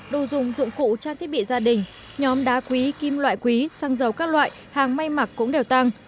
đồ dùng dụng cụ trang thiết bị gia đình nhóm đá quý kim loại quý xăng dầu các loại hàng may mặc cũng đều tăng